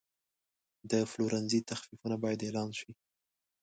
د پلورنځي تخفیفونه باید اعلان شي.